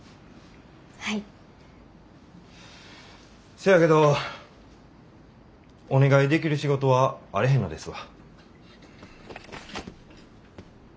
せやけどお願いできる仕事はあれへんのですわ。